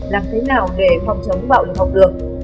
làm thế nào để phòng chống bạo lực học đường